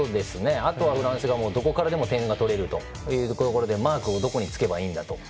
あとはフランスはどこからでも点を取れるということでマークをどこにつけばいいんだと。